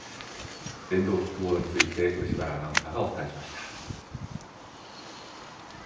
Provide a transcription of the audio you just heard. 電動キックボードについて、漆原アナウンサーがお伝えしました。